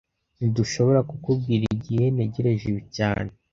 Ntidushobora kukubwira igihe ntegereje ibi cyane